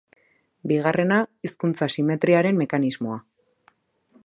Bigarrena, hizkuntza simetriaren mekanismoa.